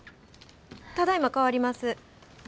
ただいま代わります。